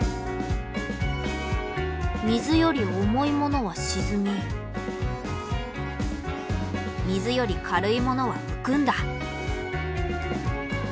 水より重いものは沈み水より軽いものは浮くんだ。